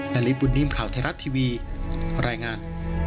นาริสบุญนิ่มข่าวไทยรัฐทีวีรายงาน